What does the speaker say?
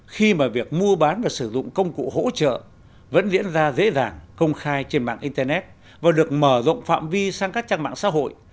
khi mà việc mua bán và sử dụng công cụ hỗ trợ vẫn diễn ra dễ dàng công khai trên mạng internet và được mở rộng phạm vi sang các trang mạng xã hội